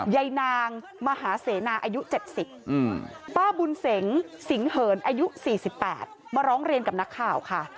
ยายนางมหาเสนาอายุ๗๐ป้าบุญเสงสิงเหินอายุ๔๘มาร้องเรียนกับนักข่าวค่ะ